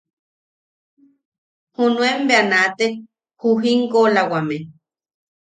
Junuenpo bea naatek ju jinkoʼolawame;.